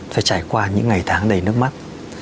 phải trải qua những ngày tháng đầy nước mắt